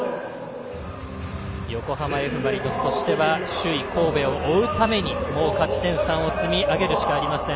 横浜Ｆ・マリノスとしては首位・神戸を追うために勝ち点３を積み上げるしかありません。